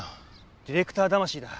ディレクター魂だ。